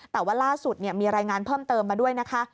แต่ว่าล่าสุดมีรายงานเพิ่มเติมมาด้วยนะคะ